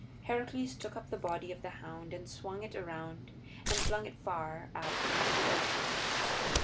Heracles took up the body of the hound, and swung it around and flung it far out into the Ocean.